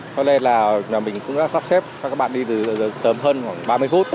cho nên là nhà mình cũng đã sắp xếp cho các bạn đi từ sớm hơn khoảng ba mươi phút